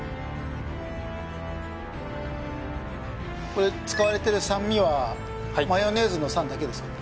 これ使われてる酸味はマヨネーズの酸だけですか？